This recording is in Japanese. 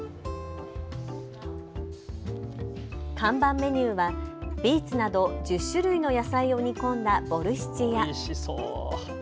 看板メニューはビーツなど１０種類の野菜を煮込んだボルシチや。